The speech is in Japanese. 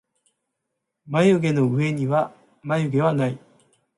まゆげのうえにはまゆげはない